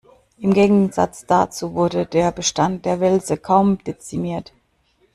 Im Gegensatz dazu wurde der Bestand der Welse kaum dezimiert.